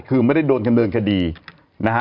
คือไม่ได้โดนดำเนินคดีนะฮะ